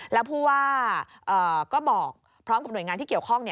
แล้วผู้ว่าก็บอกพร้อมกับหน่วยงานที่เกี่ยวข้อง